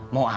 mau apa dia